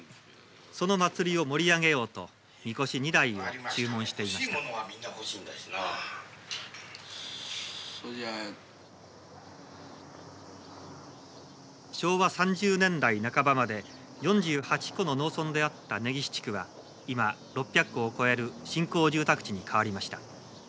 その祭りを盛り上げようとみこし２台を注文していました昭和３０年代半ばまで４８戸の農村であった根岸地区は今６００戸を超える新興住宅地に変わりました。